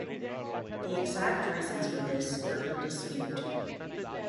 The exact reasons for this are in dispute.